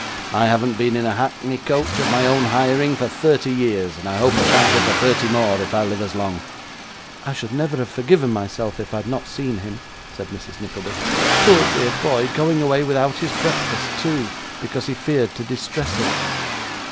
I haven't been in a hackney coach of my own hiring, for thirty years, and I hope I shan't be for thirty more, if I live as long.' 'I should never have forgiven myself if I had not seen him,' said Mrs Nickleby. 'Poor dear boy going away without his breakfast too, because he feared to distress us!